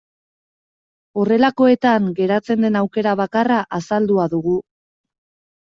Horrelakoetan geratzen den aukera bakarra azaldua dugu.